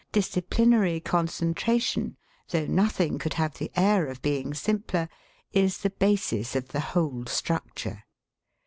Disciplinary concentration, though nothing could have the air of being simpler, is the basis of the whole structure.